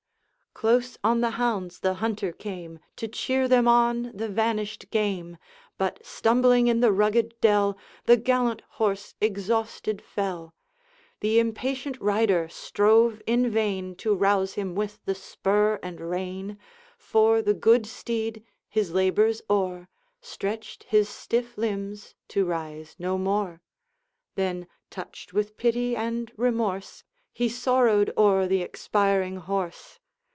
Close on the hounds the Hunter came, To cheer them on the vanished game; But, stumbling in the rugged dell, The gallant horse exhausted fell. The impatient rider strove in vain To rouse him with the spur and rein, For the good steed, his labors o'er, Stretched his stiff limbs, to rise no more; Then, touched with pity and remorse, He sorrowed o'er the expiring horse.